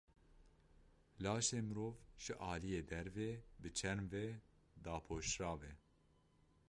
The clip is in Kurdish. Laşê mirov ji aliyê derve bi çerm ve dapoşrav e.